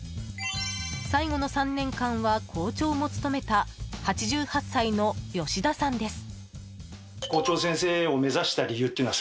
最後の３年間は校長も務めた８８歳の吉田さんです。